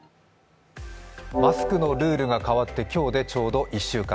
マスクのルールが変わって今日でちょうど１週間。